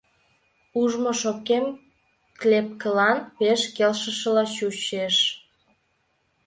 Ужмо шопкем клепкылан пеш келшышыла чучеш.